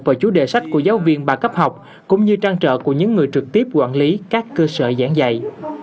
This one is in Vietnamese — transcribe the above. vào chủ đề sách của giáo viên ba cấp học cũng như trang trợ của những người trực tiếp quản lý các cơ sở giảng dạy